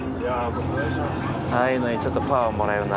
ああいうのにちょっとパワーもらえるな。